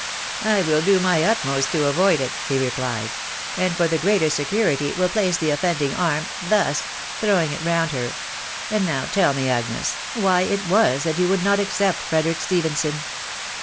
I will do my utmost to avoid it," he replied, " and for the greater security will place the offending arm thus ".... throw ing it round her ;" and now tell me, Agnes, why it was that • you would not accept Frederick Stephenson